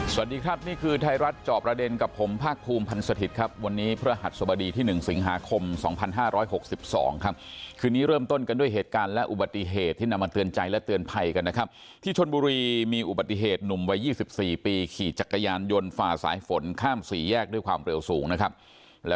สวัสดีครับนี่คือไทยรัฐจอบประเด็นกับผมภาคภูมิพันธ์สถิตย์ครับวันนี้พระหัสสบดีที่๑สิงหาคม๒๕๖๒ครับคืนนี้เริ่มต้นกันด้วยเหตุการณ์และอุบัติเหตุที่นำมาเตือนใจและเตือนภัยกันนะครับที่ชนบุรีมีอุบัติเหตุหนุ่มวัย๒๔ปีขี่จักรยานยนต์ฝ่าสายฝนข้ามสี่แยกด้วยความเร็วสูงนะครับ